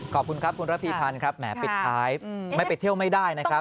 ขอบคุณครับคุณระพีพันธ์ครับแหมปิดท้ายไม่ไปเที่ยวไม่ได้นะครับ